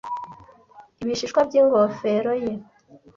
ibishishwa by'ingofero ye